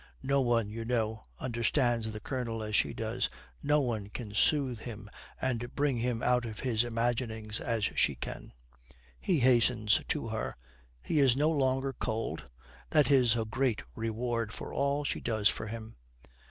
No one, you know, understands the Colonel as she does, no one can soothe him and bring him out of his imaginings as she can. He hastens to her. He is no longer cold. That is her great reward for all she does for him.